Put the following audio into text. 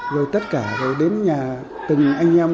rồi tất cả rồi đến nhà từng anh em